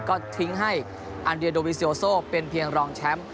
ก็ทิ้งให้อันเดียโดวิซิโอโซเป็นเพียงรองแชมป์